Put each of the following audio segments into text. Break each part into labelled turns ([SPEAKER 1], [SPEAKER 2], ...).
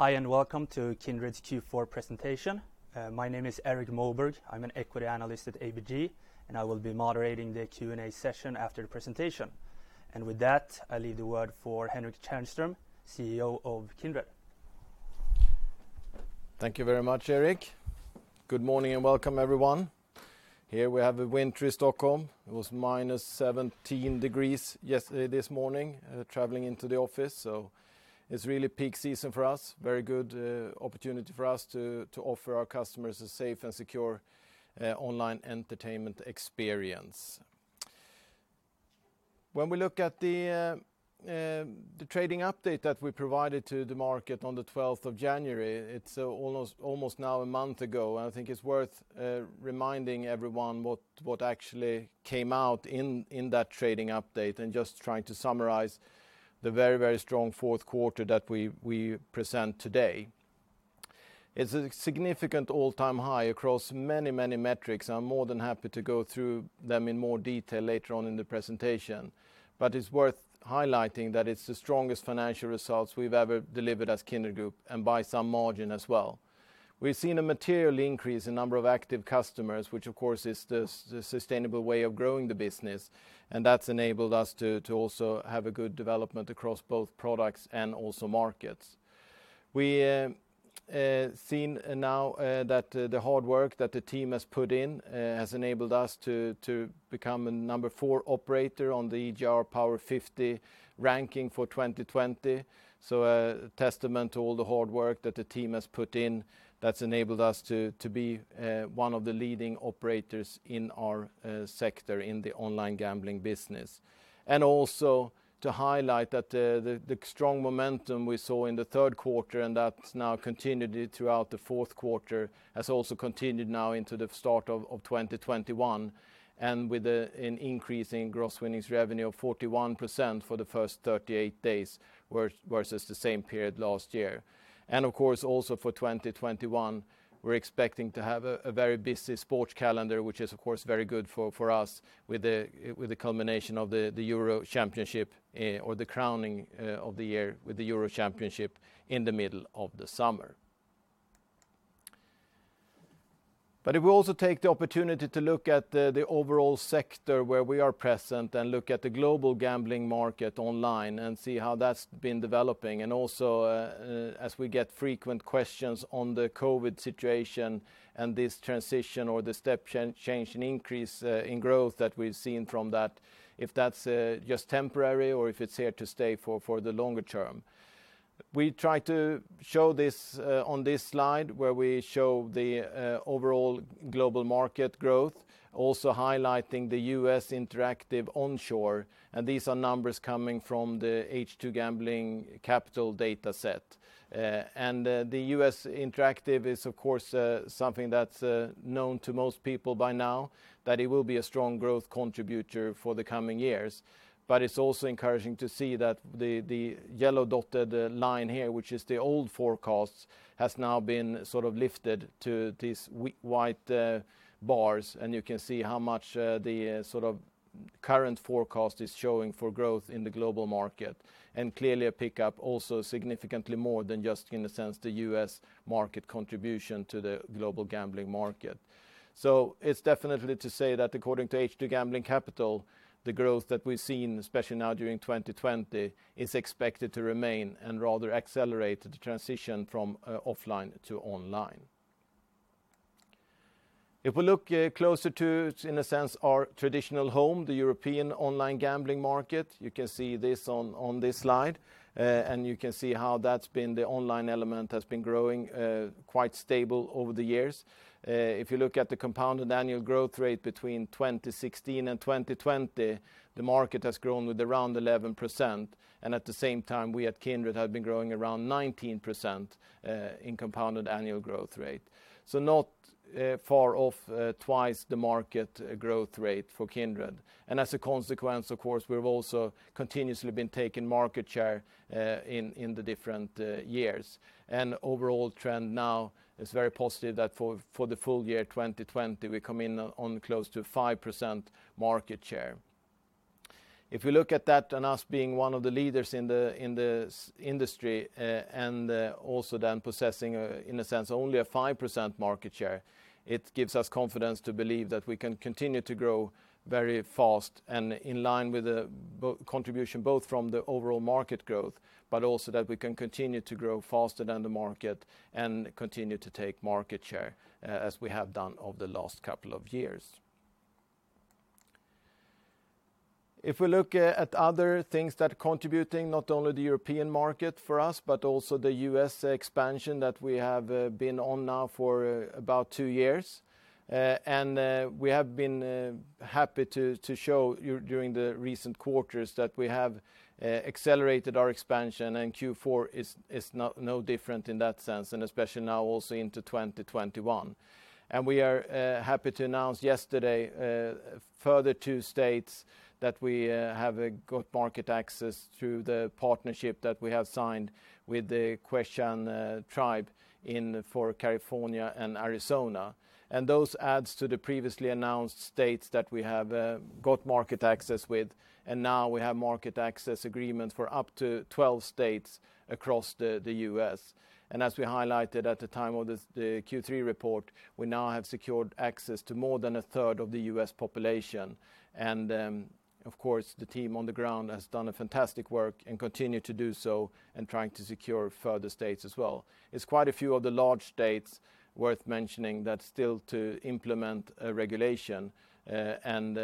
[SPEAKER 1] Hi, and welcome to Kindred's Q4 presentation. My name is Erik Moberg. I am an equity analyst at ABG, and I will be moderating the Q&A session after the presentation. With that, I leave the word for Henrik Tjärnström, CEO of Kindred.
[SPEAKER 2] Thank you very much, Erik. Good morning, welcome everyone. Here, we have a wintry Stockholm. It was -17 degrees this morning, traveling into the office. It's really peak season for us. Very good opportunity for us to offer our customers a safe and secure online entertainment experience. When we look at the trading update that we provided to the market on the 12th of January, it's almost now a month ago, I think it's worth reminding everyone what actually came out in that trading update just trying to summarize the very, very strong fourth quarter that we present today. It's a significant all-time high across many, many metrics. I'm more than happy to go through them in more detail later on in the presentation, but it's worth highlighting that it's the strongest financial results we've ever delivered as Kindred Group and by some margin as well. We've seen a material increase in number of active customers, which of course is the sustainable way of growing the business, and that's enabled us to also have a good development across both products and also markets. We have seen now that the hard work that the team has put in has enabled us to become the Number 4 operator on the EGR Power 50 ranking for 2020. A testament to all the hard work that the team has put in that's enabled us to be one of the leading operators in our sector in the online gambling business. Also to highlight that the strong momentum we saw in the third quarter and that's now continued throughout the fourth quarter has also continued now into the start of 2021, with an increase in gross winnings revenue of 41% for the first 38 days versus the same period last year. Of course, also for 2021, we're expecting to have a very busy sports calendar, which is of course very good for us with the culmination of the UEFA European Championship or the crowning of the year with the UEFA European Championship in the middle of the summer. It will also take the opportunity to look at the overall sector where we are present and look at the global gambling market online and see how that's been developing. Also, as we get frequent questions on the COVID situation and this transition or the step change and increase in growth that we've seen from that, if that's just temporary or if it's here to stay for the longer term. We try to show this on this slide where we show the overall global market growth, also highlighting the U.S. interactive onshore, and these are numbers coming from the H2 Gambling Capital data set. The U.S. interactive is, of course, something that's known to most people by now, that it will be a strong growth contributor for the coming years. It's also encouraging to see that the yellow dotted line here, which is the old forecast, has now been sort of lifted to these white bars, and you can see how much the sort of current forecast is showing for growth in the global market, and clearly a pickup also significantly more than just in a sense the U.S. market contribution to the global gambling market. It's definitely to say that according to H2 Gambling Capital, the growth that we've seen, especially now during 2020, is expected to remain and rather accelerate the transition from offline to online. If we look closer to, in a sense, our traditional home, the European online gambling market, you can see this on this slide, and you can see how that's been the online element has been growing quite stable over the years. If you look at the compounded annual growth rate between 2016 and 2020, the market has grown with around 11%, and at the same time, we at Kindred have been growing around 19% in compounded annual growth rate. Not far off twice the market growth rate for Kindred. As a consequence, of course, we've also continuously been taking market share in the different years. Overall trend now is very positive that for the full year 2020, we come in on close to 5% market share. If we look at that and us being one of the leaders in the industry and also then possessing, in a sense, only a 5% market share, it gives us confidence to believe that we can continue to grow very fast and in line with the contribution, both from the overall market growth, but also that we can continue to grow faster than the market and continue to take market share as we have done over the last couple of years. If we look at other things that are contributing, not only the European market for us, but also the U.S. expansion that we have been on now for about two years. We have been happy to show during the recent quarters that we have accelerated our expansion, and Q4 is no different in that sense, and especially now also into 2021. We are happy to announce yesterday a further two states that we have got market access to the partnership that we have signed with the Quechan Tribe for California and Arizona. Those adds to the previously announced states that we have got market access with. Now we have market access agreements for up to 12 states across the U.S. As we highlighted at the time of the Q3 report, we now have secured access to more than a third of the U.S. population. Of course, the team on the ground has done a fantastic work and continue to do so in trying to secure further states as well. It's quite a few of the large states worth mentioning that still to implement a regulation, and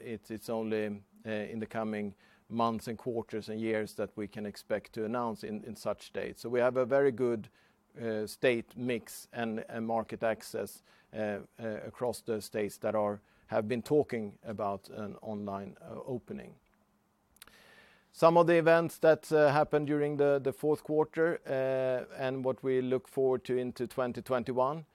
[SPEAKER 2] it's only in the coming months and quarters and years that we can expect to announce in such states. We have a very good state mix and market access across the states that have been talking about an online opening. Some of the events that happened during the fourth quarter, and what we look forward to into 2021.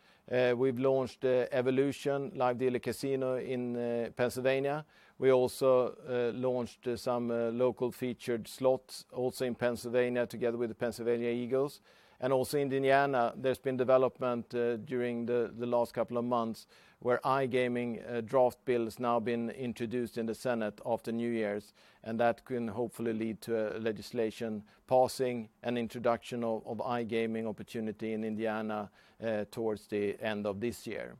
[SPEAKER 2] We've launched Evolution live dealer casino in Pennsylvania. We also launched some local featured slots, also in Pennsylvania, together with the Pennsylvania Eagles. Also in Indiana, there's been development during the last couple of months where iGaming draft bill has now been introduced in the Senate after New Year's, and that can hopefully lead to legislation passing an introduction of iGaming opportunity in Indiana towards the end of this year.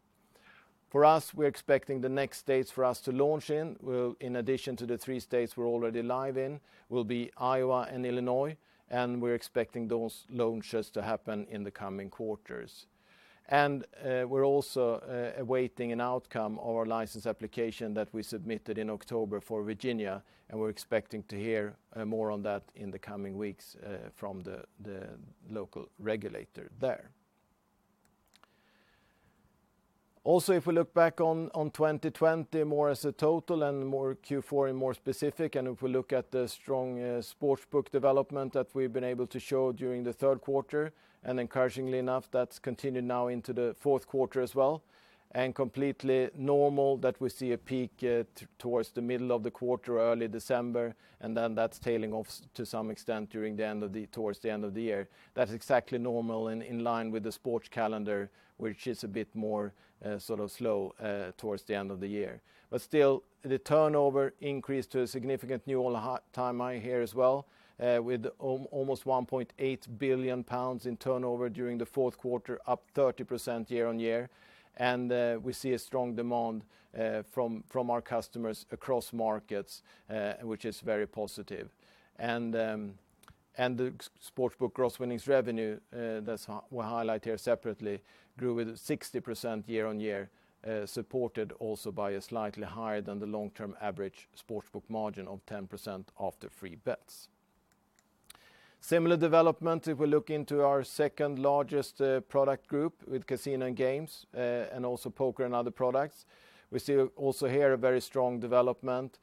[SPEAKER 2] For us, we're expecting the next states for us to launch in addition to the three states we're already live in, will be Iowa and Illinois, and we're expecting those launches to happen in the coming quarters. We're also awaiting an outcome of our license application that we submitted in October for Virginia, and we're expecting to hear more on that in the coming weeks from the local regulator there. If we look back on 2020 more as a total and more Q4 in more specific, if we look at the strong sportsbook development that we've been able to show during the third quarter, encouragingly enough, that's continued now into the fourth quarter as well, completely normal that we see a peak towards the middle of the quarter, early December, and then that's tailing off to some extent towards the end of the year. That's exactly normal and in line with the sports calendar, which is a bit more slow towards the end of the year. Still, the turnover increased to a significant new all-time high here as well, with almost 1.8 billion pounds in turnover during the fourth quarter, up 30% year-on-year. We see a strong demand from our customers across markets, which is very positive. The sportsbook gross winnings revenue, that we highlight here separately, grew with 60% year-on-year, supported also by a slightly higher-than-the-long-term average sportsbook margin of 10% after free bets. Similar development if we look into our second-largest product group with casino and games, and also poker and other products. We see also here a very strong development.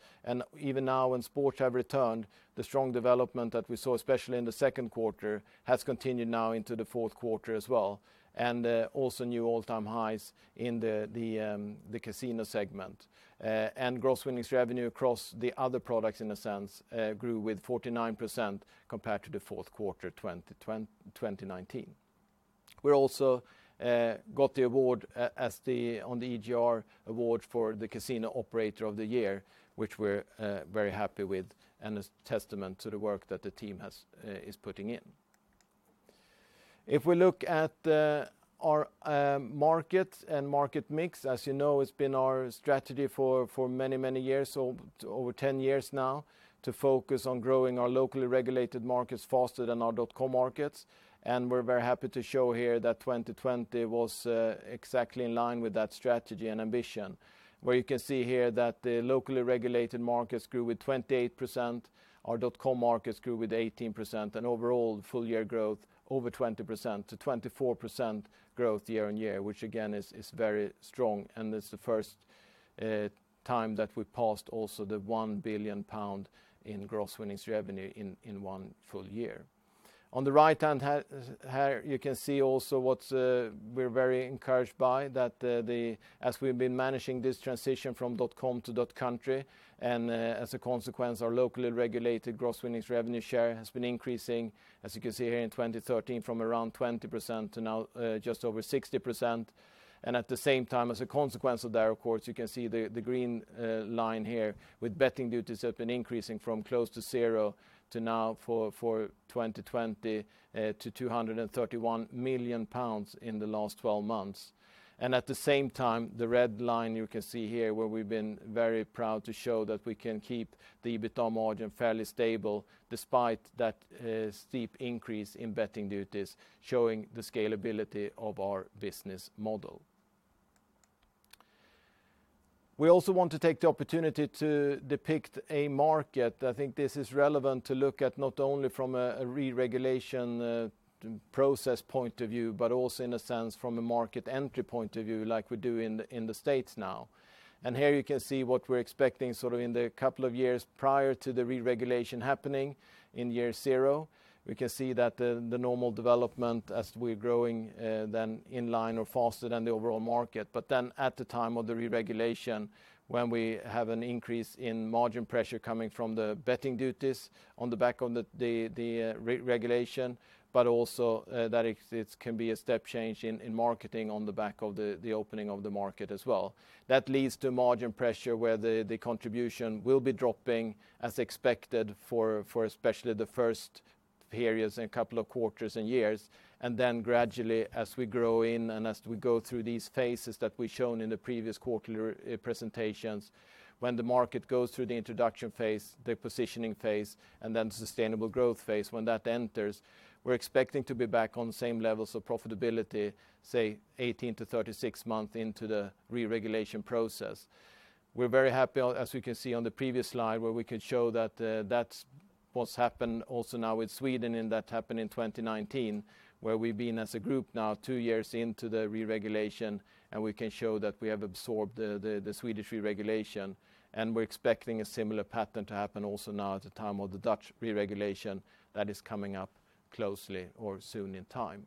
[SPEAKER 2] Even now when sports have returned, the strong development that we saw, especially in the second quarter, has continued now into the fourth quarter as well, and also new all-time highs in the casino segment. Gross winnings revenue across the other products, in a sense, grew with 49% compared to the fourth quarter 2019. We also got the award on the EGR award for the Casino Operator of the Year, which we're very happy with and is a testament to the work that the team is putting in. If we look at our market and market mix, as you know, it's been our strategy for many, many years, over 10 years now, to focus on growing our locally regulated markets faster than our .com markets. We're very happy to show here that 2020 was exactly in line with that strategy and ambition. Where you can see here that the locally regulated markets grew with 28%, our .com markets grew with 18%, overall full-year growth over 20%-24% growth year-on-year, which again is very strong, it's the first time that we passed also the 1 billion pound in gross winnings revenue in one full year. On the right-hand here, you can see also what we're very encouraged by, that as we've been managing this transition from .com to .country, as a consequence, our locally regulated gross winnings revenue share has been increasing, as you can see here in 2013, from around 20% to now just over 60%. At the same time, as a consequence of that, of course, you can see the green line here with betting duties have been increasing from close to zero to now for 2020 to 231 million pounds in the last 12 months. At the same time, the red line you can see here where we've been very proud to show that we can keep the EBITDA margin fairly stable despite that steep increase in betting duties, showing the scalability of our business model. We also want to take the opportunity to depict a market. I think this is relevant to look at not only from a re-regulation process point of view, but also in a sense from a market entry point of view, like we do in the U.S. now. Here you can see what we're expecting in the couple of years prior to the re-regulation happening in year zero. We can see that the normal development as we're growing, then in line or faster than the overall market. At the time of the re-regulation, when we have an increase in margin pressure coming from the betting duties on the back of the regulation, but also that it can be a step change in marketing on the back of the opening of the market as well. That leads to margin pressure where the contribution will be dropping as expected for especially the first periods in a couple of quarters and years. Gradually as we grow in and as we go through these phases that we've shown in the previous quarterly presentations, when the market goes through the introduction phase, the positioning phase, and then sustainable growth phase, when that enters, we're expecting to be back on the same levels of profitability, say 18-36 months into the re-regulation process. We're very happy, as we can see on the previous slide, where we could show that that's what's happened also now with Sweden and that happened in 2019, where we've been as a group now two years into the re-regulation, and we can show that we have absorbed the Swedish re-regulation, and we're expecting a similar pattern to happen also now at the time of the Dutch re-regulation that is coming up closely or soon in time.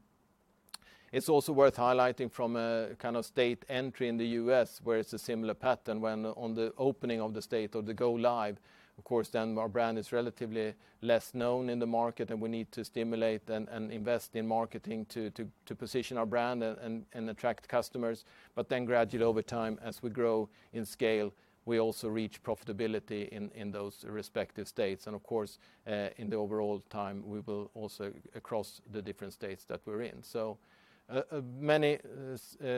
[SPEAKER 2] It's also worth highlighting from a kind of state entry in the U.S. where it's a similar pattern when on the opening of the state or the go-live, of course, then our brand is relatively less known in the market, and we need to stimulate and invest in marketing to position our brand and attract customers. Gradually over time, as we grow in scale, we also reach profitability in those respective states. Of course, in the overall time, we will also across the different states that we're in. Many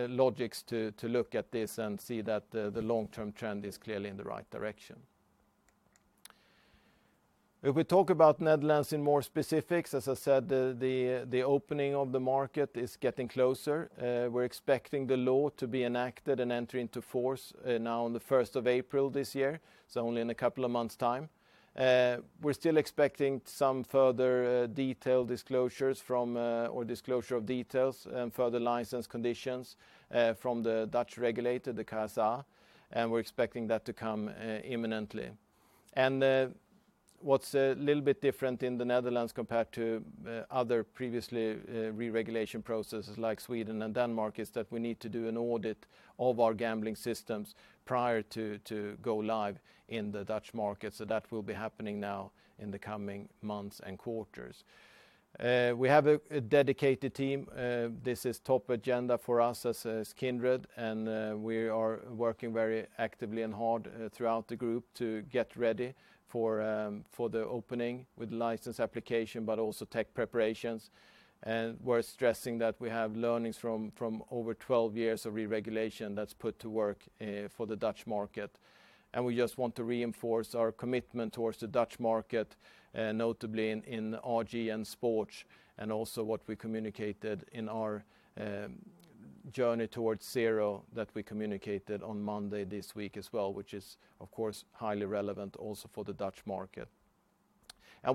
[SPEAKER 2] logics to look at this and see that the long-term trend is clearly in the right direction. If we talk about Netherlands in more specifics, as I said, the opening of the market is getting closer. We're expecting the law to be enacted and enter into force now on the 1st of April this year, so only in a couple of months' time. We're still expecting some further detail disclosures from or disclosure of details and further license conditions from the Dutch regulator, the KSA, and we're expecting that to come imminently. What's a little bit different in the Netherlands compared to other previously re-regulation processes like Sweden and Denmark is that we need to do an audit of our gambling systems prior to go live in the Dutch market. That will be happening now in the coming months and quarters. We have a dedicated team. This is top agenda for us as Kindred, and we are working very actively and hard throughout the group to get ready for the opening with license application, but also tech preparations. We're stressing that we have learnings from over 12 years of re-regulation that's put to work for the Dutch market. We just want to reinforce our commitment towards the Dutch market, notably in RG and sports, also what we communicated in our Journey towards zero that we communicated on Monday this week as well, which is, of course, highly relevant also for the Dutch market.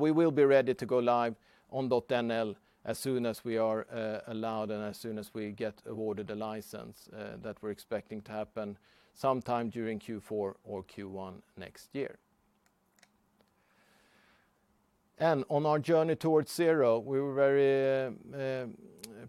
[SPEAKER 2] We will be ready to go live on .nl as soon as we are allowed and as soon as we get awarded a license that we're expecting to happen sometime during Q4 or Q1 next year. On our Journey towards zero, we were very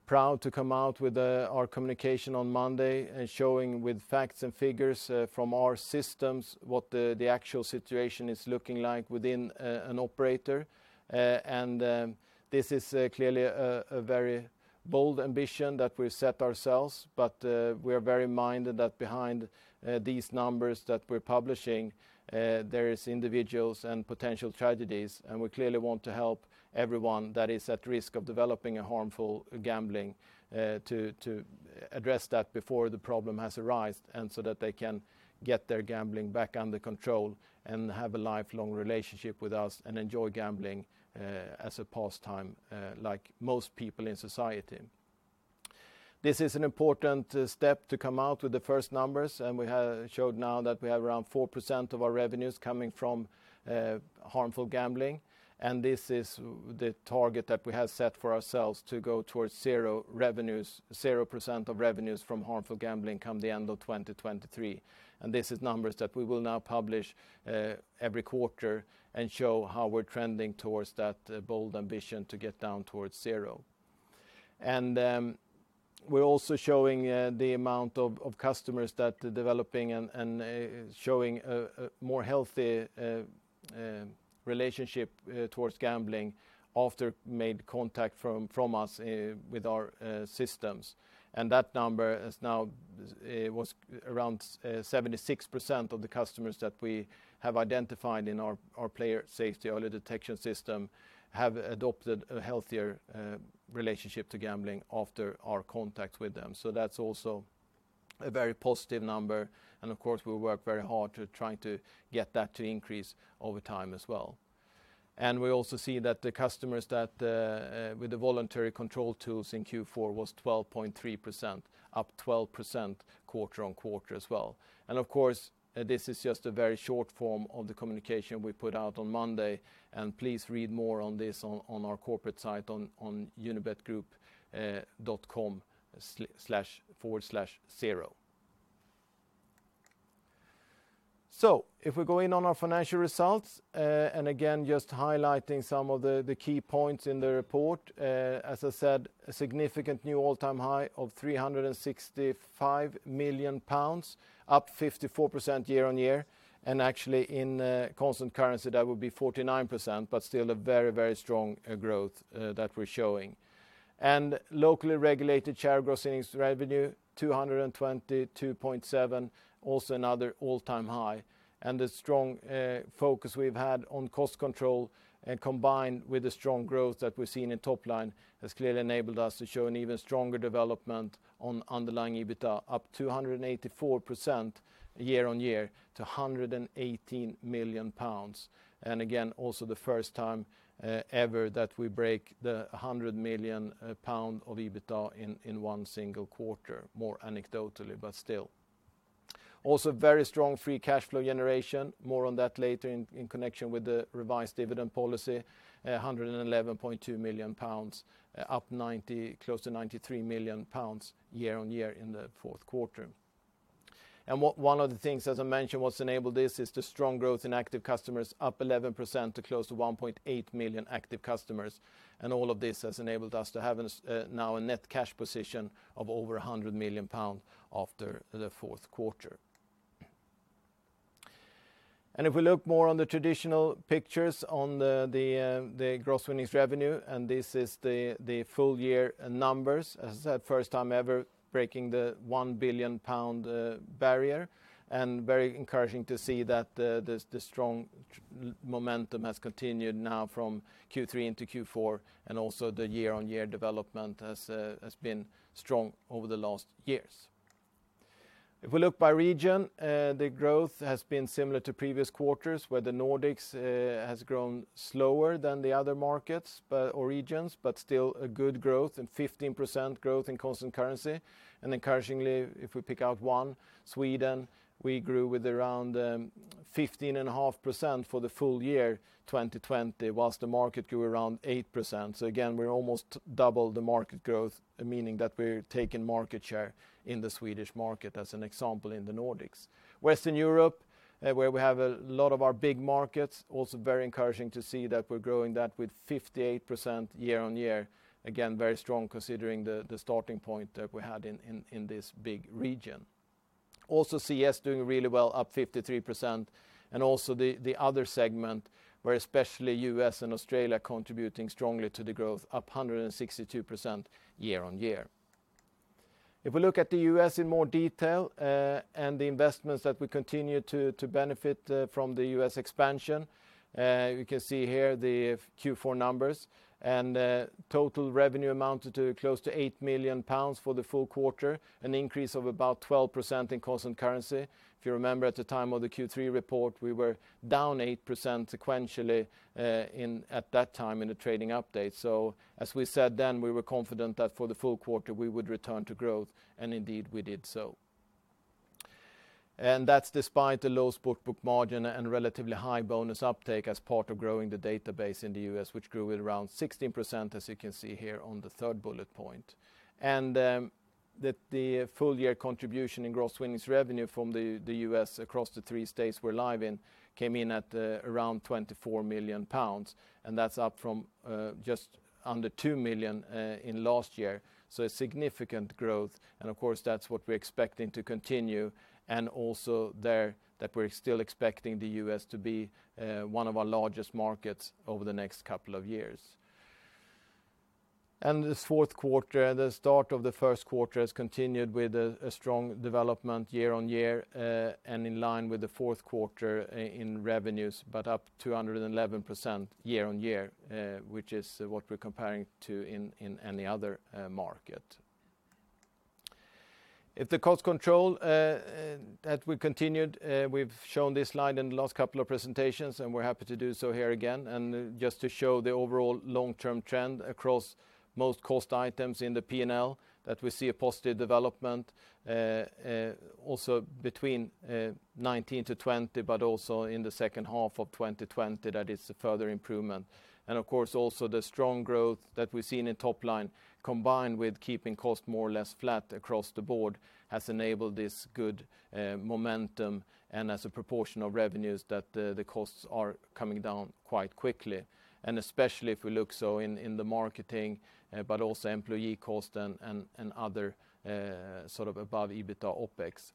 [SPEAKER 2] proud to come out with our communication on Monday and showing with facts and figures from our systems what the actual situation is looking like within an operator. This is clearly a very bold ambition that we set ourselves, but we are very minded that behind these numbers that we're publishing, there is individuals and potential tragedies. We clearly want to help everyone that is at risk of developing a harmful gambling to address that before the problem has arisen so that they can get their gambling back under control and have a lifelong relationship with us and enjoy gambling as a pastime like most people in society. This is an important step to come out with the first numbers. We have shown now that we have around 4% of our revenues coming from harmful gambling. This is the target that we have set for ourselves to go towards zero revenues, 0% of revenues from harmful gambling come the end of 2023. This is numbers that we will now publish every quarter and show how we're trending towards that bold ambition to get down towards zero. We're also showing the amount of customers that are developing and showing a more healthy relationship towards gambling after made contact from us with our systems. That number is now around 76% of the customers that we have identified in our player safety early detection system have adopted a healthier relationship to gambling after our contact with them. That's also a very positive number, and of course, we work very hard to trying to get that to increase over time as well. We also see that the customers with the voluntary control tools in Q4 was 12.3%, up 12% quarter-on-quarter as well. Of course, this is just a very short form of the communication we put out on Monday, please read more on this on our corporate site on unibetgroup.com/zero. If we go in on our financial results, and again, just highlighting some of the key points in the report. As I said, a significant new all-time high of 365 million pounds, up 54% year-on-year. Actually, in constant currency, that would be 49%, but still a very, very strong growth that we're showing. Locally regulated share gross winnings revenue 222.7 million, also another all-time high. The strong focus we've had on cost control and combined with the strong growth that we've seen in top line, has clearly enabled us to show an even stronger development on underlying EBITDA, up 284% year-on-year to 118 million pounds. Again, also the first time ever that we break the 100 million pound of EBITDA in one single quarter, more anecdotally, but still. Also very strong free cash flow generation. More on that later in connection with the revised dividend policy, 111.2 million pounds up close to 93 million pounds year-on-year in the fourth quarter. One of the things, as I mentioned, what's enabled this is the strong growth in active customers up 11% to close to 1.8 million active customers. All of this has enabled us to have now a net cash position of over 100 million pounds after the fourth quarter. If we look more on the traditional pictures on the gross winnings revenue, this is the full year numbers, as I said, first time ever breaking the 1 billion pound barrier, very encouraging to see that the strong momentum has continued now from Q3 into Q4, also the year-on-year development has been strong over the last years. If we look by region, the growth has been similar to previous quarters, where the Nordics has grown slower than the other markets or regions, but still a good growth and 15% growth in constant currency. Encouragingly, if we pick out one, Sweden, we grew with around 15.5% for the full year 2020, whilst the market grew around 8%. Again, we're almost double the market growth, meaning that we're taking market share in the Swedish market as an example in the Nordics. Western Europe, where we have a lot of our big markets, also very encouraging to see that we're growing that with 58% year-on-year. Very strong considering the starting point that we had in this big region. CIS doing really well, up 53%, also the other segment where especially U.S. and Australia contributing strongly to the growth, up 162% year-on-year. If we look at the U.S. in more detail, the investments that we continue to benefit from the U.S. expansion, you can see here the Q4 numbers. Total revenue amounted to close to 8 million pounds for the full quarter, an increase of about 12% in constant currency. If you remember at the time of the Q3 report, we were down 8% sequentially at that time in a trading update. As we said then, we were confident that for the full quarter we would return to growth, and indeed we did so. That's despite a low sports book margin and relatively high bonus uptake as part of growing the database in the U.S., which grew at around 16%, as you can see here on the third bullet point. The full-year contribution in gross winnings revenue from the U.S. across the three states we're live in came in at around 24 million pounds, and that's up from just under 2 million in last year. A significant growth, and of course, that's what we're expecting to continue, and also there that we're still expecting the U.S. to be one of our largest markets over the next couple of years. This fourth quarter, the start of the first quarter has continued with a strong development year-on-year, in line with the fourth quarter in revenues, but up 211% year-on-year, which is what we're comparing to in any other market. We've shown this slide in the last couple of presentations, and we're happy to do so here again. Just to show the overall long-term trend across most cost items in the P&L that we see a positive development, also between 2019 to 2020, but also in the second half of 2020, that is a further improvement. Of course, also the strong growth that we've seen in top line, combined with keeping cost more or less flat across the board, has enabled this good momentum and as a proportion of revenues that the costs are coming down quite quickly. Especially if we look so in the marketing, but also employee cost and other sort of above EBITDA OpEx.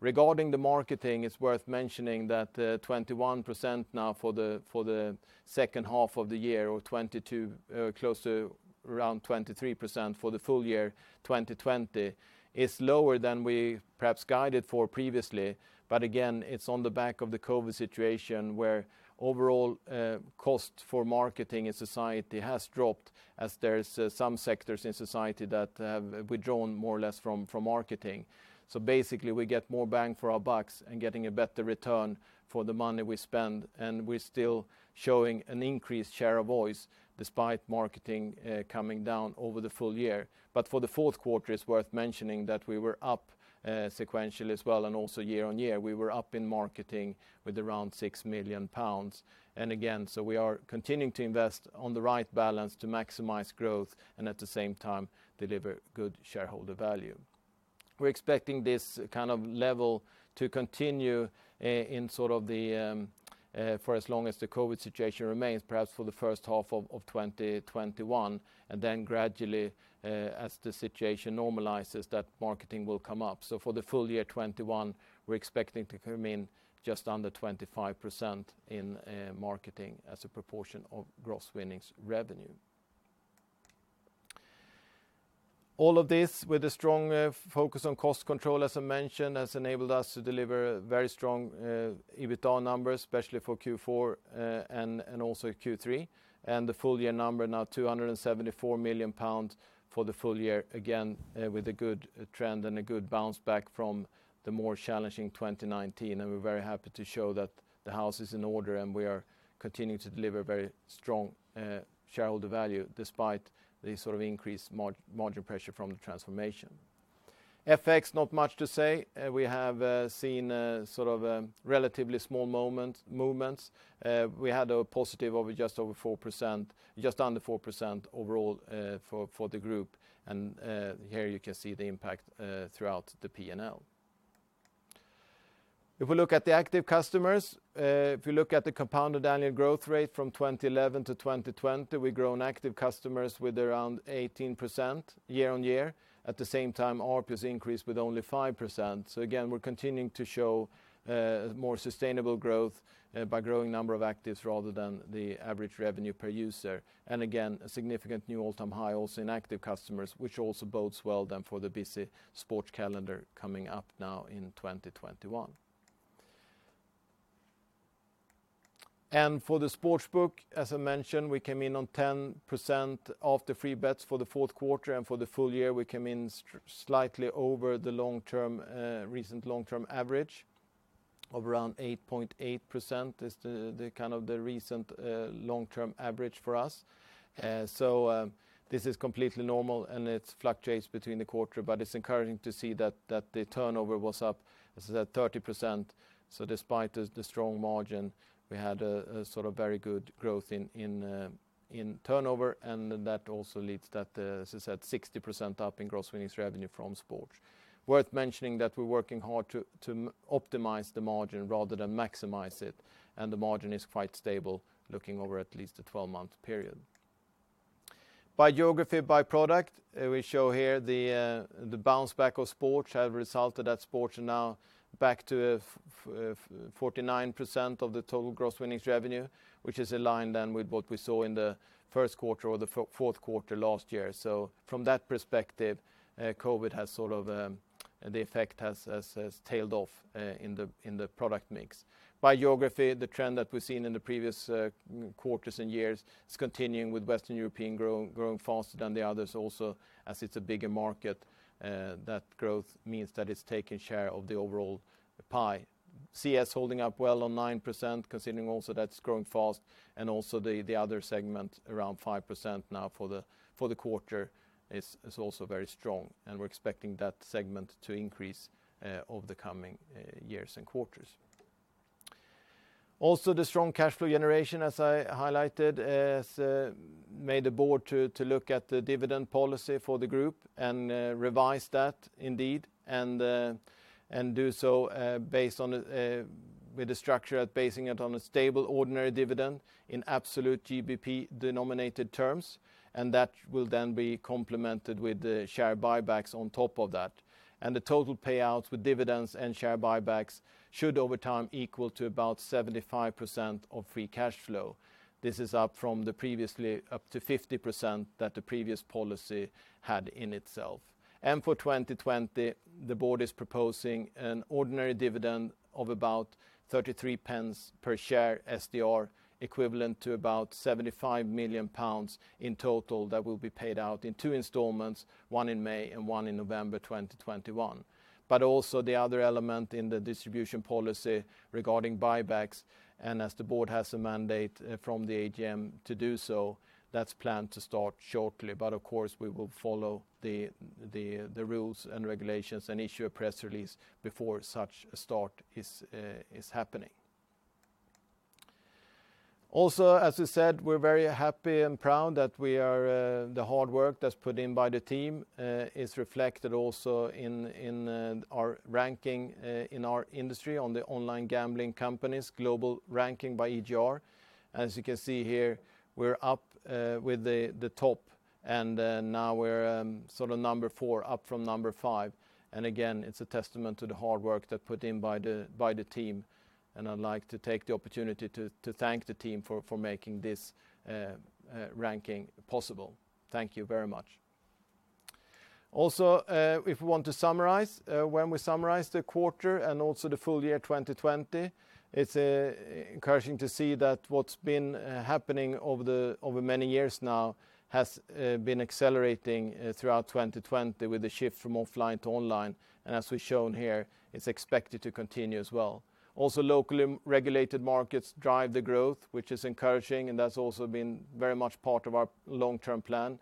[SPEAKER 2] Regarding the marketing, it's worth mentioning that 21% now for the second half of the year or close to around 23% for the full year 2020, is lower than we perhaps guided for previously. Again, it's on the back of the COVID situation where overall cost for marketing in society has dropped as there's some sectors in society that have withdrawn more or less from marketing. Basically, we get more bang for our bucks and getting a better return for the money we spend, and we're still showing an increased share of voice despite marketing coming down over the full year. For the fourth quarter, it's worth mentioning that we were up sequentially as well and also year on year. We were up in marketing with around 6 million pounds. We are continuing to invest on the right balance to maximize growth and at the same time deliver good shareholder value. We're expecting this kind of level to continue for as long as the COVID situation remains, perhaps for the first half of 2021, and then gradually, as the situation normalizes, that marketing will come up. For the full year 2021, we're expecting to come in just under 25% in marketing as a proportion of gross winnings revenue. All of this with a strong focus on cost control, as I mentioned, has enabled us to deliver very strong EBITDA numbers, especially for Q4 and also Q3, and the full-year number now 274 million pounds for the full year, again, with a good trend and a good bounce-back from the more challenging 2019. We're very happy to show that the house is in order, and we are continuing to deliver very strong shareholder value despite the increased margin pressure from the transformation. FX, not much to say. We have seen relatively small movements. We had a positive of just under 4% overall for the group, and here you can see the impact throughout the P&L. If we look at the active customers, if you look at the compounded annual growth rate from 2011 to 2020, we've grown active customers with around 18% year-on-year. ARPU has increased with only 5%. Again, we're continuing to show more sustainable growth by growing number of actives rather than the average revenue per user. Again, a significant new all-time high also in active customers, which also bodes well then for the busy sports calendar coming up now in 2021. For the Sportsbook, as I mentioned, we came in on 10% after free bets for the fourth quarter, and for the full year, we came in slightly over the recent long-term average of around 8.8%, is the recent long-term average for us. This is completely normal, and it fluctuates between the quarter, but it's encouraging to see that the turnover was up, as I said, 30%. Despite the strong margin, we had very good growth in turnover, and that also leads that, as I said, 60% up in gross winnings revenue from sports. Worth mentioning that we're working hard to optimize the margin rather than maximize it, and the margin is quite stable looking over at least a 12-month period. By geography, by product, we show here the bounce back of sports have resulted that sports are now back to 49% of the total gross winnings revenue, which is aligned then with what we saw in the first quarter or the fourth quarter last year. From that perspective, the effect has tailed off in the product mix. By geography, the trend that we've seen in the previous quarters and years is continuing with Western European growing faster than the others also as it's a bigger market. That growth means that it's taking share of the overall pie. CIS holding up well on 9%, considering also that's growing fast, and also the other segment around 5% now for the quarter is also very strong, and we're expecting that segment to increase over the coming years and quarters. Also, the strong cash flow generation, as I highlighted, has made the board to look at the dividend policy for the group and revise that indeed, and do so with the structure basing it on a stable ordinary dividend in absolute GBP-denominated terms, and that will then be complemented with the share buybacks on top of that. The total payouts with dividends and share buybacks should, over time, equal to about 75% of free cash flow. This is up from the previously up to 50% that the previous policy had in itself. For 2020, the board is proposing an ordinary dividend of about 0.33 per share SDR, equivalent to about 75 million pounds in total that will be paid out in two installments, one in May and one in November 2021. Also the other element in the distribution policy regarding buybacks, and as the board has a mandate from the AGM to do so, that's planned to start shortly. Of course, we will follow the rules and regulations and issue a press release before such a start is happening. Also, as I said, we're very happy and proud that the hard work that's put in by the team is reflected also in our ranking in our industry on the online gambling companies global ranking by EGR. As you can see here, we're up with the top, and now we're number four, up from number five. Again, it's a testament to the hard work that put in by the team, and I'd like to take the opportunity to thank the team for making this ranking possible. Thank you very much. If we want to summarize, when we summarize the quarter and also the full year 2020, it's encouraging to see that what's been happening over many years now has been accelerating throughout 2020 with the shift from offline to online. As we've shown here, it's expected to continue as well. Locally regulated markets drive the growth, which is encouraging, and that's also been very much part of our long-term plan,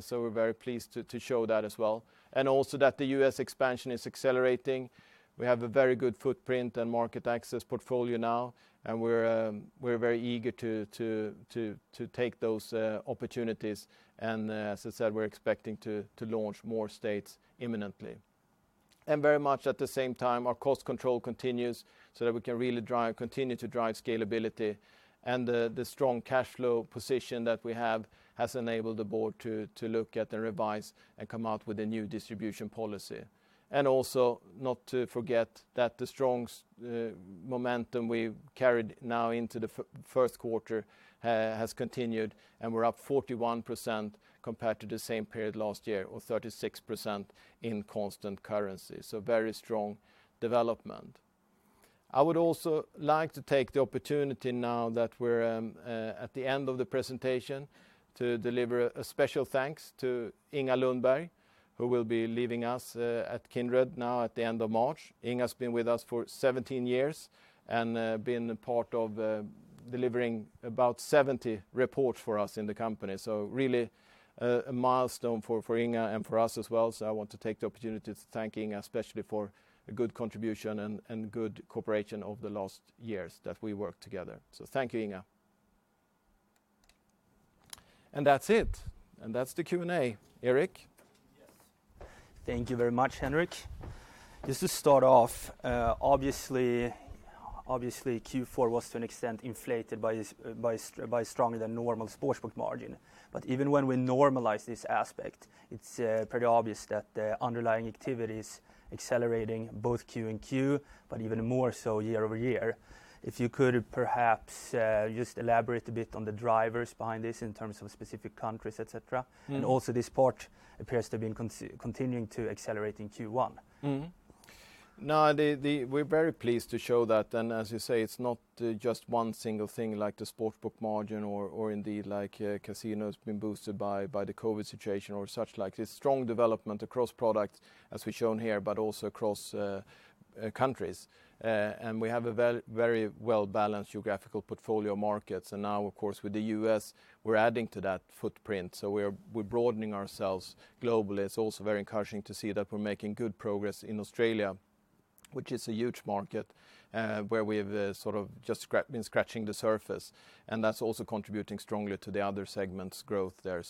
[SPEAKER 2] so we're very pleased to show that as well. Also that the U.S. expansion is accelerating. We have a very good footprint and market access portfolio now, and we're very eager to take those opportunities. As I said, we're expecting to launch more states imminently. And very much at the same time, our cost control continues so that we can really continue to drive scalability. The strong cash flow position that we have has enabled the board to look at and revise and come out with a new distribution policy. Also, not to forget that the strong momentum we've carried now into the first quarter has continued, and we're up 41% compared to the same period last year, or 36% in constant currency. Very strong development. I would also like to take the opportunity now that we're at the end of the presentation to deliver a special thanks to Inga Lundberg, who will be leaving us at Kindred now at the end of March. Inga's been with us for 17 years and been a part of delivering about 70 reports for us in the company. Really a milestone for Inga and for us as well. I want to take the opportunity to thank Inga especially for a good contribution and good cooperation over the last years that we worked together. Thank you, Inga. That's it. That's the Q&A. Erik?
[SPEAKER 1] Yes. Thank you very much, Henrik. Just to start off, obviously Q4 was to an extent inflated by stronger than normal Sportsbook margin. Even when we normalize this aspect, it's pretty obvious that the underlying activity's accelerating both quarter-over-quarter, but even more so year-over-year. If you could perhaps just elaborate a bit on the drivers behind this in terms of specific countries, et cetera. Also this part appears to be continuing to accelerate in Q1.
[SPEAKER 2] No, we're very pleased to show that. As you say, it's not just one single thing like the Sportsbook margin or indeed like casinos being boosted by the COVID situation or such like. It's strong development across products, as we've shown here, but also across countries. We have a very well-balanced geographical portfolio of markets. Now, of course, with the U.S., we're adding to that footprint. We're broadening ourselves globally. It's also very encouraging to see that we're making good progress in Australia, which is a huge market, where we've just been scratching the surface. That's also contributing strongly to the other segments' growth there.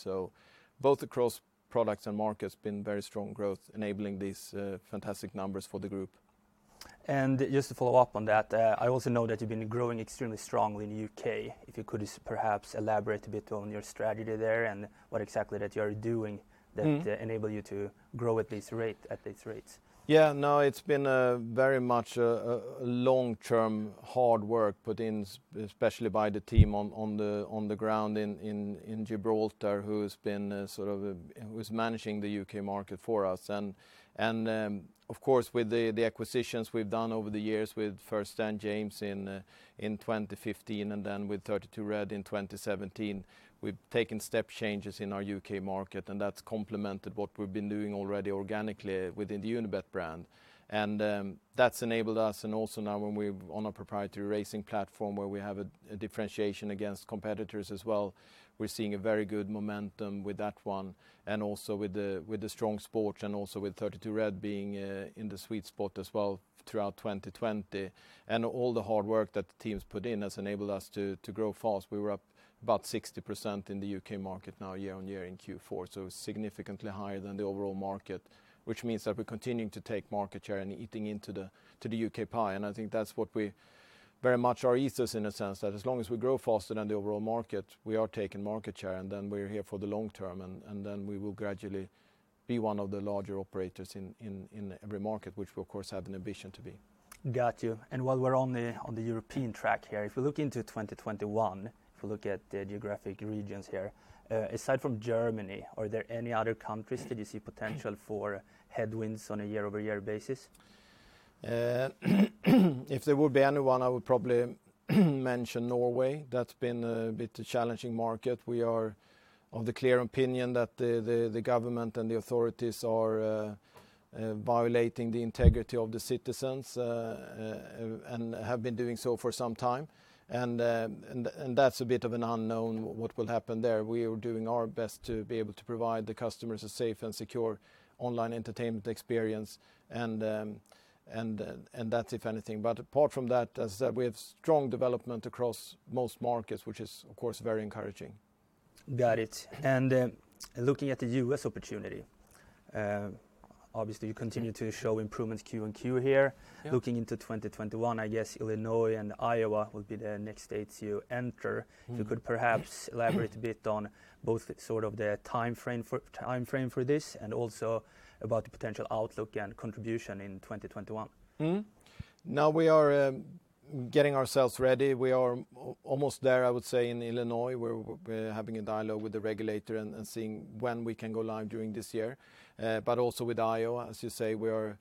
[SPEAKER 2] Both across products and markets, been very strong growth enabling these fantastic numbers for the group.
[SPEAKER 1] Just to follow up on that, I also know that you've been growing extremely strongly in the U.K. If you could perhaps elaborate a bit on your strategy there and what exactly that you are doing that enable you to grow at these rates?
[SPEAKER 2] Yeah, no, it's been very much a long-term hard work put in, especially by the team on the ground in Gibraltar, who's managing the U.K. market for us. Of course, with the acquisitions we've done over the years with first Stan James in 2015 and then with 32Red in 2017, we've taken step changes in our U.K. market, and that's complemented what we've been doing already organically within the Unibet brand. That's enabled us, and also now when we're on a proprietary racing platform where we have a differentiation against competitors as well, we're seeing a very good momentum with that one. Also with the strong sport and also with 32Red being in the sweet spot as well throughout 2020, all the hard work that the team's put in has enabled us to grow fast. We were up about 60% in the U.K. market now year-over-year in Q4, so significantly higher than the overall market, which means that we're continuing to take market share and eating into the U.K. pie. I think that's what we very much our ethos, in a sense, that as long as we grow faster than the overall market, we are taking market share, and then we're here for the long term, and then we will gradually be one of the larger operators in every market, which we of course have an ambition to be.
[SPEAKER 1] Got you. While we're on the European track here, if you look into 2021, if you look at the geographic regions here, aside from Germany, are there any other countries that you see potential for headwinds on a year-over-year basis?
[SPEAKER 2] If there would be anyone, I would probably mention Norway. That's been a bit of a challenging market. We are of the clear opinion that the government and the authorities are violating the integrity of the citizens and have been doing so for some time, and that's a bit of an unknown what will happen there. We are doing our best to be able to provide the customers a safe and secure online entertainment experience, and that's if anything. Apart from that, as I said, we have strong development across most markets, which is, of course, very encouraging.
[SPEAKER 1] Got it. Looking at the U.S. opportunity, obviously, you continue to show improvements Q4 and Q1 here. Looking into 2021, I guess Illinois and Iowa will be the next states you enter. If you could perhaps elaborate a bit on both the sort of the timeframe for this and also about the potential outlook and contribution in 2021.
[SPEAKER 2] We are getting ourselves ready. We are almost there, I would say, in Illinois. We're having a dialogue with the regulator and seeing when we can go live during this year. Also with Iowa, as you say, we are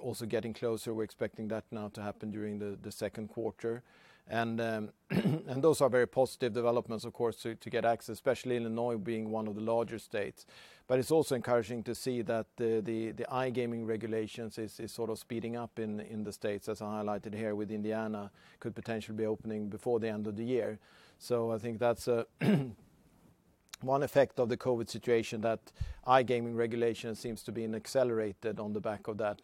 [SPEAKER 2] also getting closer. We're expecting that now to happen during the second quarter. Those are very positive developments, of course, to get access, especially Illinois being one of the larger states. It's also encouraging to see that the iGaming regulations is sort of speeding up in the states, as I highlighted here with Indiana could potentially be opening before the end of the year. I think that's one effect of the COVID situation, that iGaming regulation seems to be accelerated on the back of that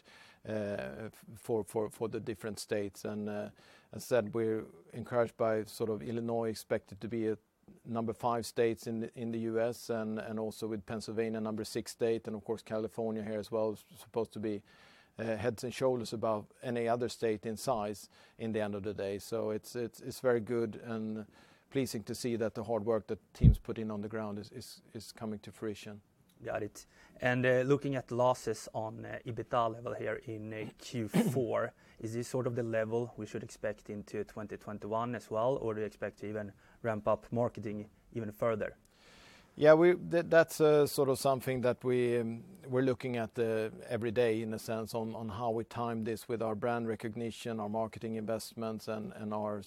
[SPEAKER 2] for the different states. As I said, we're encouraged by Illinois expected to be number five states in the U.S. and also with Pennsylvania, number six state, and of course, California here as well, is supposed to be heads and shoulders above any other state in size at the end of the day. It's very good and pleasing to see that the hard work that teams put in on the ground is coming to fruition.
[SPEAKER 1] Got it. Looking at losses on EBITDA level here in Q4, is this sort of the level we should expect into 2021 as well, or do you expect to even ramp up marketing even further?
[SPEAKER 2] Yeah. That's something that we're looking at every day in a sense on how we time this with our brand recognition, our marketing investments, and our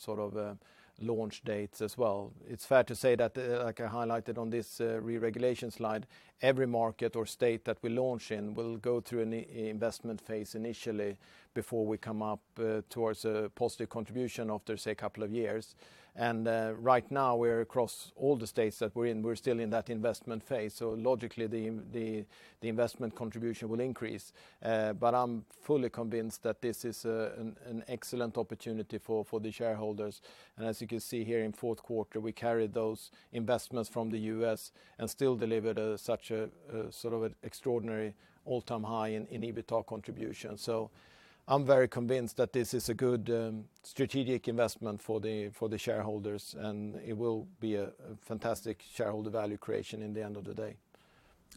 [SPEAKER 2] launch dates as well. It's fair to say that, like I highlighted on this re-regulation slide, every market or state that we launch in will go through an investment phase initially before we come up towards a positive contribution after, say, a couple of years. Right now, we're across all the states that we're in. We're still in that investment phase, so logically the investment contribution will increase. I'm fully convinced that this is an excellent opportunity for the shareholders. As you can see here in fourth quarter, we carried those investments from the U.S. and still delivered such an extraordinary all-time high in EBITDA contribution. I'm very convinced that this is a good strategic investment for the shareholders, and it will be a fantastic shareholder value creation at the end of the day.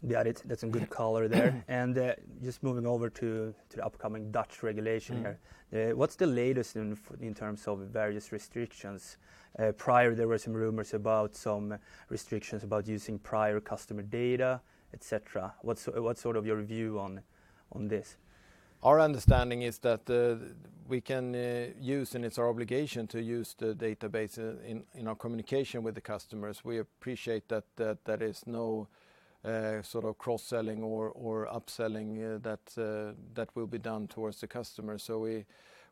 [SPEAKER 1] Got it. That's some good color there. Just moving over to the upcoming Dutch regulation here. What's the latest in terms of various restrictions? Prior, there were some rumors about some restrictions about using prior customer data, et cetera. What's your view on this?
[SPEAKER 2] Our understanding is that we can use, and it's our obligation to use the database in our communication with the customers. We appreciate that there is no sort of cross-selling or upselling that will be done towards the customer.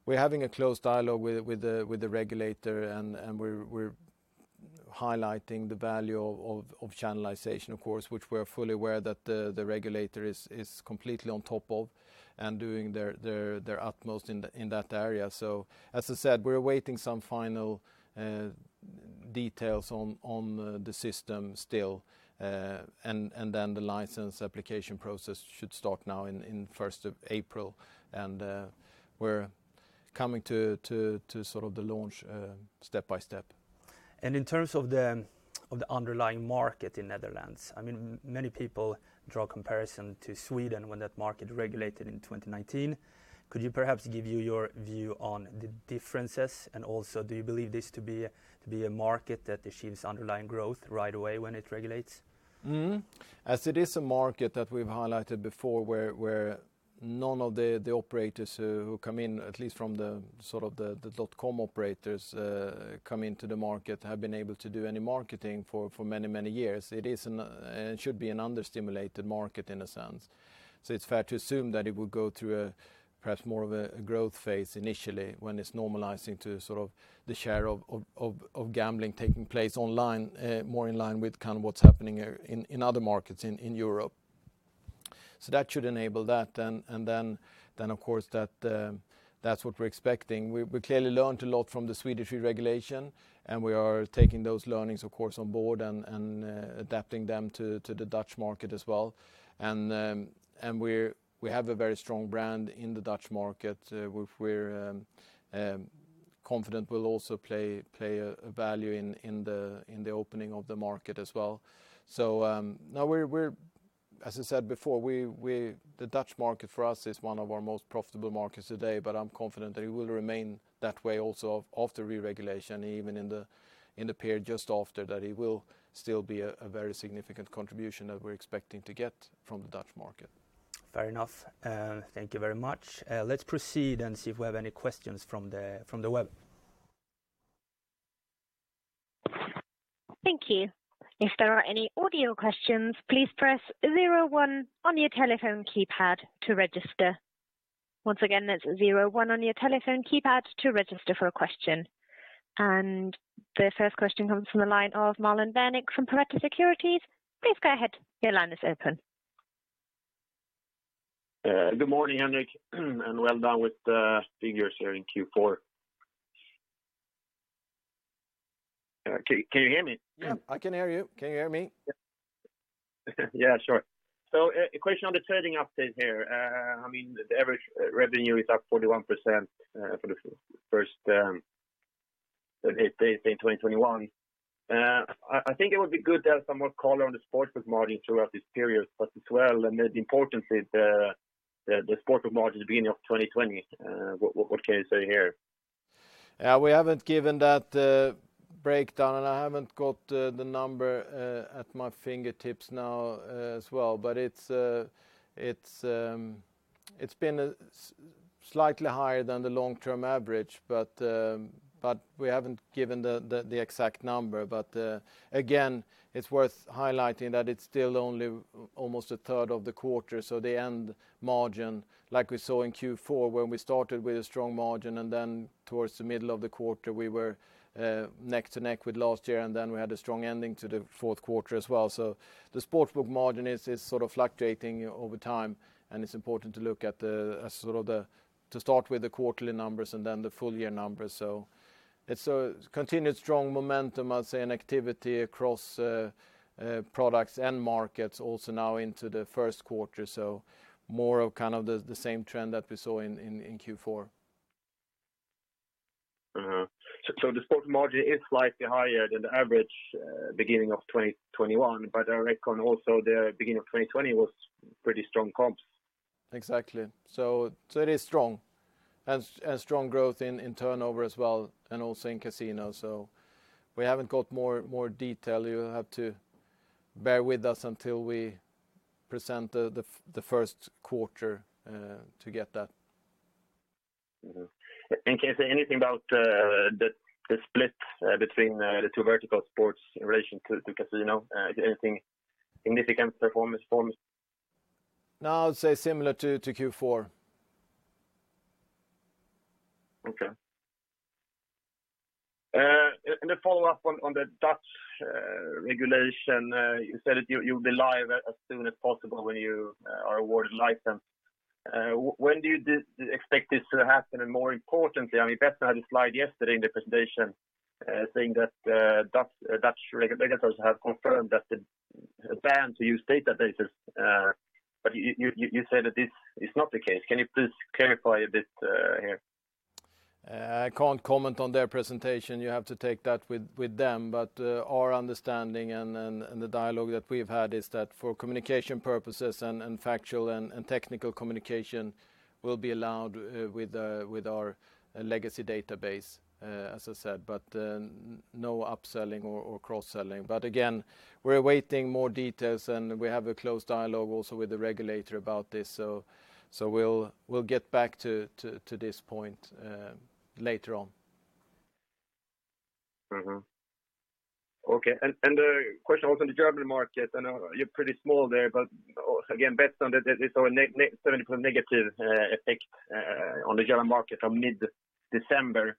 [SPEAKER 2] We're having a close dialogue with the regulator, and we're highlighting the value of channelization, of course, which we're fully aware that the regulator is completely on top of and doing their utmost in that area. As I said, we're awaiting some final details on the system still, and then the license application process should start now in 1st of April. We're coming to the launch step by step.
[SPEAKER 1] In terms of the underlying market in Netherlands, many people draw comparison to Sweden when that market regulated in 2019. Could you perhaps give your view on the differences and also do you believe this to be a market that achieves underlying growth right away when it regulates?
[SPEAKER 2] As it is a market that we've highlighted before where none of the operators who come in, at least from the dot-com operators coming to the market, have been able to do any marketing for many years. It should be an under-stimulated market in a sense. It's fair to assume that it would go through perhaps more of a growth phase initially when it's normalizing to the share of gambling taking place online, more in line with what's happening in other markets in Europe. That should enable that. Of course, that's what we're expecting. We clearly learned a lot from the Swedish re-regulation, and we are taking those learnings, of course, on board and adapting them to the Dutch market as well. We have a very strong brand in the Dutch market. We're confident we'll also play a value in the opening of the market as well. Now, as I said before, the Dutch market for us is one of our most profitable markets today, but I'm confident that it will remain that way also after re-regulation, even in the period just after that. It will still be a very significant contribution that we're expecting to get from the Dutch market.
[SPEAKER 1] Fair enough. Thank you very much. Let's proceed and see if we have any questions from the web.
[SPEAKER 3] Thank you. If there are any audio questions please press zero one on your telephone keypad to register. Once again that's zero one on your telephone keypad to register for a question. The first question comes from the line of Marlon Värnik from Pareto Securities. Please go ahead. Your line is open.
[SPEAKER 4] Good morning, Henrik, and well done with the figures here in Q4. Can you hear me?
[SPEAKER 2] Yeah, I can hear you. Can you hear me?
[SPEAKER 4] Yeah, sure. A question on the trading update here. The average revenue is up 41% for the first 38 days in 2021. I think it would be good to have somewhat color on the Sportsbook margin throughout this period, but as well, and importantly, the Sportsbook margin at the beginning of 2020. What can you say here?
[SPEAKER 2] Yeah, we haven't given that breakdown, and I haven't got the number at my fingertips now as well. It's been slightly higher than the long-term average, but we haven't given the exact number. Again, it's worth highlighting that it's still only almost a third of the quarter, so the end margin, like we saw in Q4 when we started with a strong margin and then towards the middle of the quarter, we were neck to neck with last year, and then we had a strong ending to the fourth quarter as well. The Sportsbook margin is fluctuating over time, and it's important to start with the quarterly numbers and then the full-year numbers. It's a continued strong momentum, I'll say, and activity across products and markets also now into the first quarter. More of kind of the same trend that we saw in Q4.
[SPEAKER 4] The sports margin is slightly higher than the average beginning of 2021. I reckon also the beginning of 2020 was pretty strong comps.
[SPEAKER 2] Exactly. It is strong. Strong growth in turnover as well, and also in casino. We haven't got more detail. You have to bear with us until we present the first quarter to get that.
[SPEAKER 4] Can you say anything about the split between the two vertical sports in relation to casino? Anything significant performance for me?
[SPEAKER 2] No, I'd say similar to Q4.
[SPEAKER 4] Okay. A follow-up on the Dutch regulation. You said that you'll be live as soon as possible when you are awarded license. When do you expect this to happen? More importantly, Betsson had a slide yesterday in the presentation saying that Dutch regulators have confirmed that the ban to use databases, but you say that this is not the case. Can you please clarify this here?
[SPEAKER 2] I can't comment on their presentation. You have to take that with them. Our understanding and the dialogue that we've had is that for communication purposes and factual and technical communication will be allowed with our legacy database, as I said, but no upselling or cross-selling. Again, we're awaiting more details, and we have a close dialogue also with the regulator about this. We'll get back to this point later on.
[SPEAKER 4] Okay, a question also on the German market. I know you're pretty small there, but again, Betsson, there is a 70% negative effect on the German market from mid-December.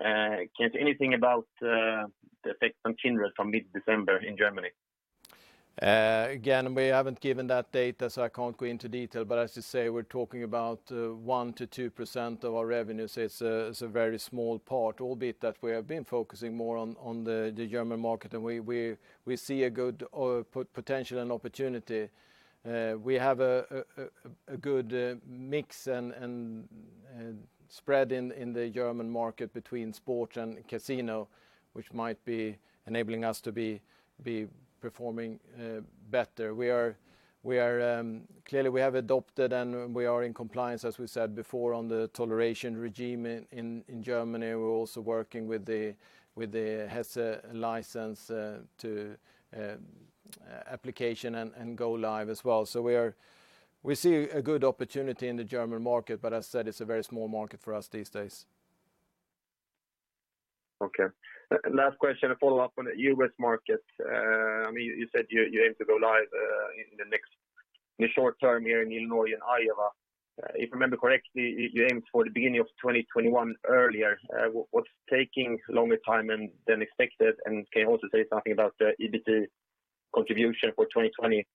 [SPEAKER 4] Can you say anything about the effect on Kindred from mid-December in Germany?
[SPEAKER 2] We haven't given that data, so I can't go into detail. As I say, we're talking about 1%-2% of our revenue, so it's a very small part, albeit that we have been focusing more on the German market, and we see a good potential and opportunity. We have a good mix and spread in the German market between sport and casino, which might be enabling us to be performing better. Clearly, we have adopted and we are in compliance, as we said before, on the toleration regime in Germany. We're also working with the Hesse license to application and go live as well. We see a good opportunity in the German market, but as I said, it's a very small market for us these days.
[SPEAKER 4] Okay. Last question, a follow-up on the U.S. market. You said you aim to go live in the short term here in Illinois and Iowa. If I remember correctly, you aimed for the beginning of 2021 earlier. What's taking longer time than expected, and can you also say something about the EBITDA contribution for 2020?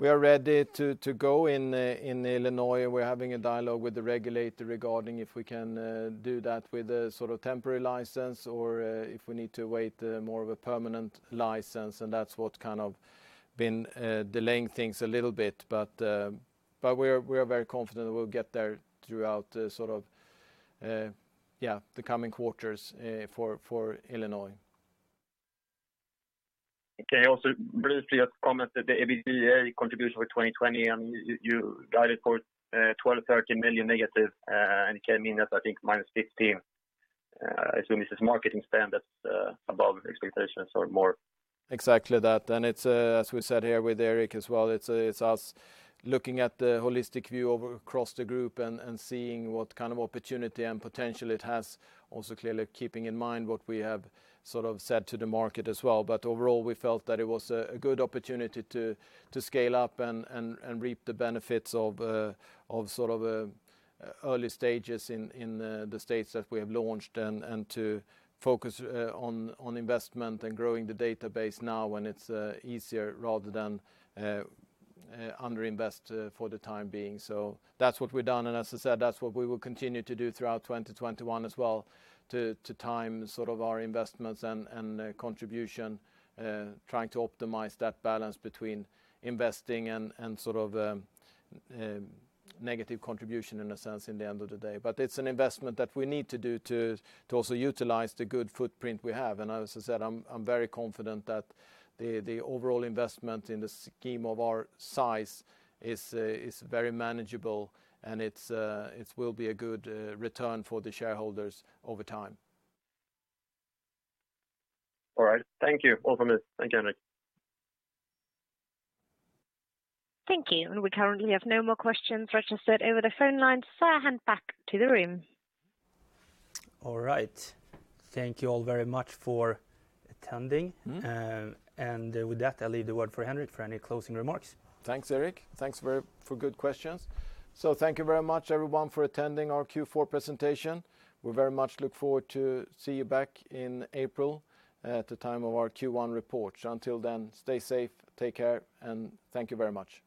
[SPEAKER 2] We are ready to go in Illinois. We're having a dialogue with the regulator regarding if we can do that with a temporary license or if we need to await more of a permanent license, and that's what's been delaying things a little bit. We are very confident we'll get there throughout the coming quarters for Illinois.
[SPEAKER 4] Briefly a comment that the EBITDA contribution for 2020, you guided for 12 million-13 million negative. You came in at, I think, -15 million. I assume this is marketing spend that is above expectations or more.
[SPEAKER 2] Exactly that. As we said here with Erik as well, it's us looking at the holistic view across the group and seeing what kind of opportunity and potential it has. Also, clearly keeping in mind what we have said to the market as well. Overall, we felt that it was a good opportunity to scale up and reap the benefits of early stages in the states that we have launched and to focus on investment and growing the database now when it's easier rather than under-invest for the time being. That's what we've done, and as I said, that's what we will continue to do throughout 2021 as well, to time our investments and contribution, trying to optimize that balance between investing and negative contribution, in a sense, in the end of the day. It's an investment that we need to do to also utilize the good footprint we have. As I said, I'm very confident that the overall investment in the scheme of our size is very manageable, and it will be a good return for the shareholders over time.
[SPEAKER 4] All right. Thank you [all for this]. Thanks, Henrik.
[SPEAKER 3] Thank you. We currently have no more questions registered over the phone lines. I hand back to the room.
[SPEAKER 1] All right. Thank you all very much for attending. With that, I leave the word for Henrik for any closing remarks.
[SPEAKER 2] Thanks, Erik. Thanks for good questions. Thank you very much, everyone, for attending our Q4 presentation. We very much look forward to see you back in April at the time of our Q1 report. Until then, stay safe, take care, and thank you very much.